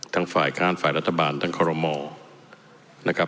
ทั้งฝ่ายข้ามฝ่ายรัฐบาลทั้งโครมมอล์